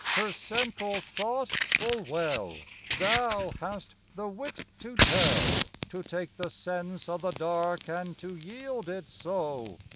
Her central thought full well Thou hast the wit to tell, To take the sense o' the dark and to yield it so; 86 FROM QUEENS' GARDENS.